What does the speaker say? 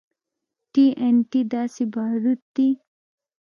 ټي ان ټي داسې باروت دي.